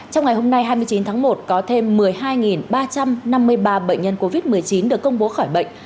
trong ngày hôm nay hai mươi chín tháng một có thêm một mươi hai ba trăm năm mươi ba bệnh nhân covid một mươi chín được công bố khỏi bệnh